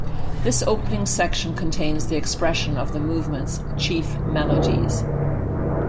This opening section contains the expression of the movement's chief melodies.